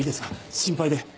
心配で。